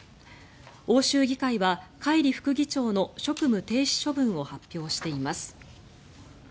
欧州議会はカイリ副議長の職務停止処分を発表しています。